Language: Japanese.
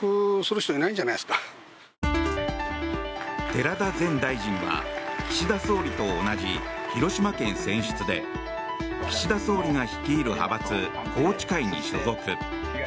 寺田前大臣は岸田総理と同じ広島県選出で岸田総理が率いる派閥宏池会に所属。